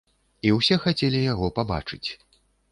І ўсе хацелі яго пабачыць.